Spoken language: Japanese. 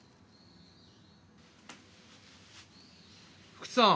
福知さん。